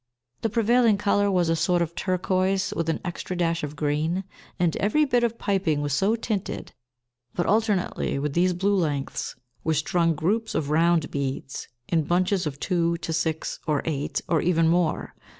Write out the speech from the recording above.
The prevailing colour was a sort of turquoise with an extra dash of green, and every bit of piping was so tinted; but, alternately with these blue lengths, were strung groups of round beads, in bunches of two to six or eight, or even more.